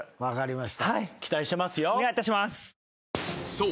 ［そう。